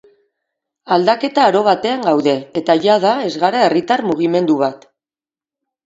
Aldaketa aro batean gaude, eta jada ez gara herritar mugimendu bat.